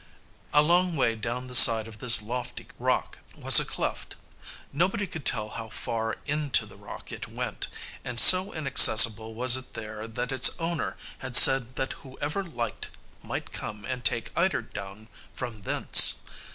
A long way down the side of this lofty rock was a cleft. Nobody could tell how far into the rock it went, and so inaccessible was it there that its owner had said that whoever liked might come and take eider down from thence.